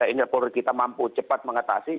inekpoler kita mampu cepat mengatasi